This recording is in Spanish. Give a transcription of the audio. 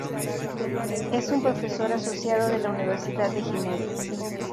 Es un profesor asociado de la Universidad de Ginebra.